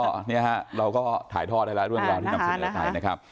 ก็เนี่ยฮะเราก็ถ่ายทอดได้แล้วเรื่องราวที่นำเสนอไปนะครับ